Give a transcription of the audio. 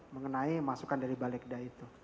mengenai masukan dari balegda itu